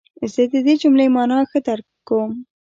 زه د دې جملې مانا ښه درک کوم.